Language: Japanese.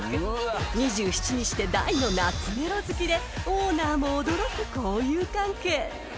［２７にして大の懐メロ好きでオーナーも驚く交友関係］